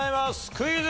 クイズ。